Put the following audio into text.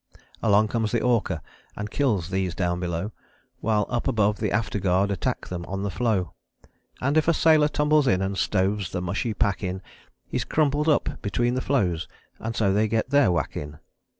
Along comes the Orca and kills these down below, While up above the Afterguard attack them on the floe: And if a sailor tumbles in and stoves the mushy pack in, He's crumpled up between the floes, and so they get Their whack in.